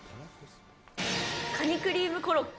カニクリームコロッケ。